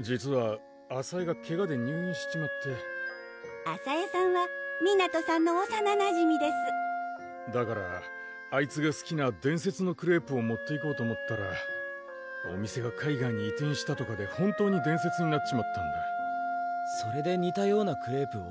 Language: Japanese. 実は麻恵がけがで入院しちまって麻恵さんは湊さんのおさななじみですだからあいつがすきな「伝説のクレープ」を持っていこうと思ったらお店が海外に移転したとかで本当に伝説になっちまったんだそれでにたようなクレープを？